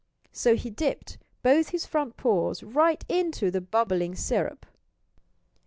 So he dipped both his front paws right into the bubbling syrup.